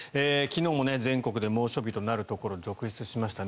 昨日も全国で猛暑日となるところも続出しました。